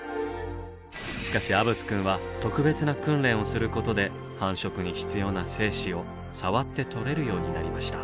しかしアブスくんは特別な訓練をすることで繁殖に必要な精子を触って採れるようになりました。